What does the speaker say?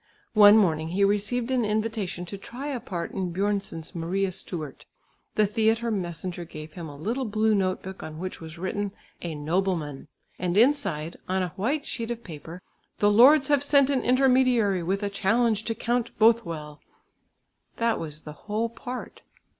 One morning he received an invitation to try a part in Björnson's Maria Stuart. The theatre messenger gave him a little blue note book on which was written, "A nobleman," and inside, on a white sheet of paper, "The Lords have sent an intermediary with a challenge to Count Both well." That was the whole part!